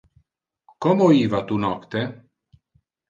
Como iva tu nocte?